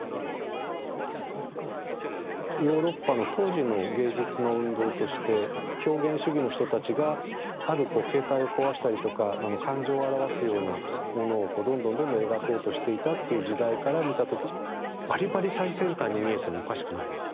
ヨーロッパの当時の芸術の運動として表現主義の人たちがあるこう形態を壊したりとか感情を表すようなものをどんどんどんどん描こうとしていたっていう時代から見た時ばりばり最先端に見えてもおかしくないです。